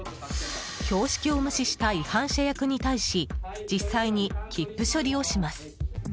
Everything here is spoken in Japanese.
標識を無視した違反者役に対し実際に切符処理をします。